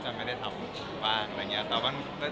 จะไม่ได้ทำบ้างอะไรเงี้ย